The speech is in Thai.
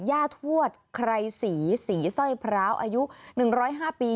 ย่าทวดไครสีสีส้อยพร้าวอายุ๑๐๕ปี